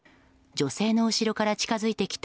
女性の後ろから近付いてきた